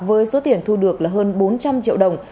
với số tiền thu được là hơn bốn trăm linh triệu đồng